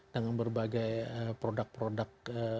dengan berbagai produk produk